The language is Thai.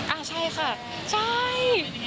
อ่าใช่ค่ะใช่